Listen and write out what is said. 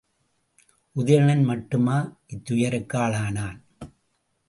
உதயணன் மட்டுமா இத் துயருக்கு ஆளானான்?